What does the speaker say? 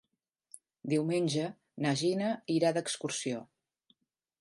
Diumenge na Gina irà d'excursió.